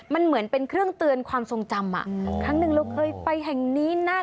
มันเหมือนเป็นเครื่องเตือนความทรงจำอ่ะครั้งหนึ่งเราเคยไปแห่งนี้นะ